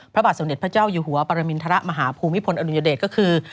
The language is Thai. พระบาทสมเด็จพระเจ้าอยู่หัวปรมินทรมาหาภูมิพลอดุญเดชก็คือ